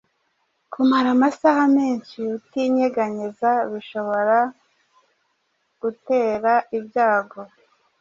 Kumara amasaha menshi utinyeganyeza bishobora gutera ibyago